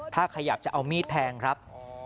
ถ้าขยับจะเอามีดแทงครับ